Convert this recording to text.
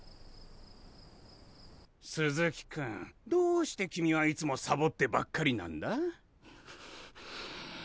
鈴木君どうして君はいつもサボってばっかりなんだ。